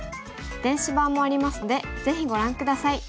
電子版もありますのでぜひご覧下さい。